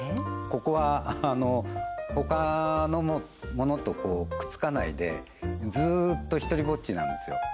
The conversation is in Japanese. ここは他のものとくっつかないでずーっと独りぼっちなんですよ